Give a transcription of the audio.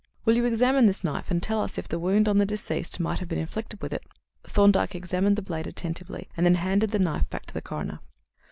"Will you examine this knife and tell us if the wound on the deceased might have been inflicted with it?" Thorndyke examined the blade attentively, and then handed the knife back to the coroner.